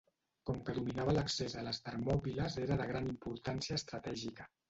Com que dominava l'accés a les Termòpiles era de gran importància estratègica.